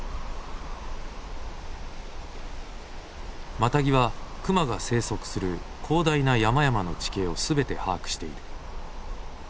マタギは熊が生息する広大な山々の地形を全て把握している。